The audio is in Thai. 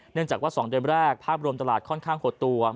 เนื่องจากว่า๒เดือนแรกภาพรวมตลาดค่อนข้างหดตัว